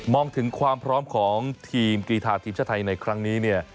มองถึงความพร้อมของทีมกีธาทีมชาไทยในครั้งนี้